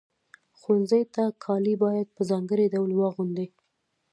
ښوونځي ته کالي باید په ځانګړي ډول واغوندئ.